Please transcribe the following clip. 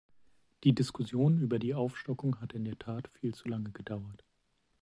Die Diskussion über die Aufstockung hat in der Tat viel zu lange gedauert.